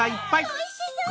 おいしそう！